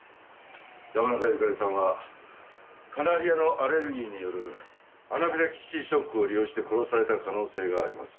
山中由佳里さんはカナリアのアレルギーによるアナフィラキシーショックを利用して殺された可能性があります。